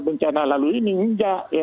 bencana lalu ini enggak